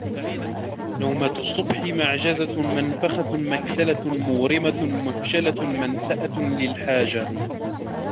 نَوْمَةُ الصُّبْحَةِ مَعْجَزَةٌ مَنْفَخَةٌ مَكْسَلَةٌ مَوْرَمَةٌ مَفْشَلَةٌ مَنْسَأَةٌ لِلْحَاجَةِ